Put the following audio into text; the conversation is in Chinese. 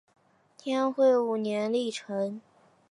天会五年历成。